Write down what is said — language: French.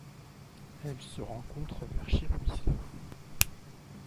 Elle se rencontre vers Chiruisla.